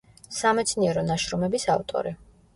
სამეცნიერო ნაშრომების ავტორი.